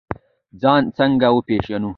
ځان څنګه وپیژنو؟